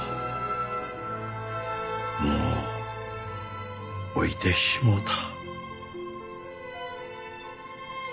もう老いてしもうた。